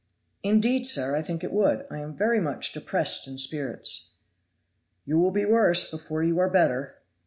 "Indeed, sir, I think it would; I am very much depressed in spirits." "You will be worse before you are better."